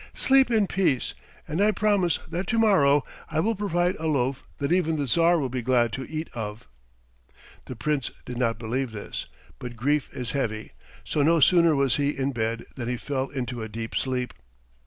"Sleep in peace, and I promise that to morrow I will provide a loaf that even the Tsar will be glad to eat of." The Prince did not believe this, but grief is heavy, so no sooner was he in bed than he fell into a deep sleep.